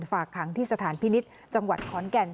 ฝากขังที่สถานพินิษฐ์จังหวัดขอนแก่น